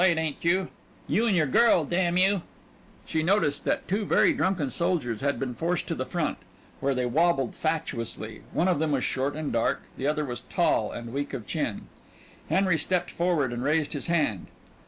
"Up late, ain't you!" "You an' your girl. Damn you!" She noticed that two very drunken soldiers had been forced to the front, where they wobbled fatuously one of them was short and dark, the other was tall and weak of chin. Henry stepped forward and raised his hand.